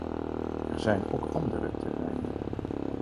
Er zijn ook andere terreinen.